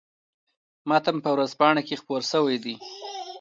متن په ورځپاڼه کې خپور شوی دی.